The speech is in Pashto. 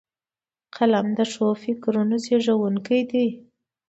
قلم د ښو فکرونو زیږوونکی دی